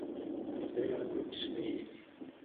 سمعتُ إسمي.